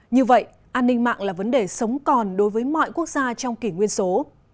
như vậy an ninh mạng là vấn đề sống còn đối với mọi quốc gia trong kỷ nguyên số